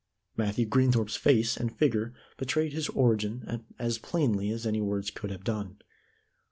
Matthew Greenthorpe's face and figure betrayed his origin as plainly as any words could have done.